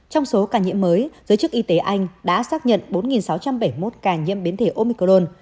trong số ca nhiễm mới giới chức y tế anh đã xác nhận bốn sáu trăm bảy mươi một ca nhiễm biến thể omicron